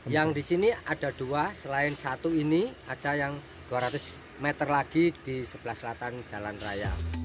yang di sini ada dua selain satu ini ada yang dua ratus meter lagi di sebelah selatan jalan raya